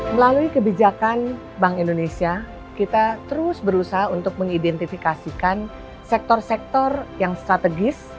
melalui kebijakan bank indonesia kita terus berusaha untuk mengidentifikasikan sektor sektor yang strategis